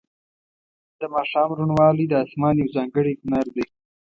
د ماښام روڼوالی د اسمان یو ځانګړی هنر دی.